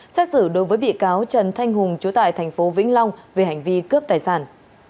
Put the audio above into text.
xét xử đối với bị cáo trần thanh hùng chú tại thành phố vĩnh long về hành vi cướp tài sản